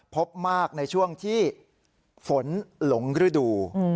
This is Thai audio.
พบมากในช่วงที่ฝนหลงฤดู